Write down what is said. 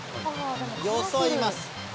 よそいます。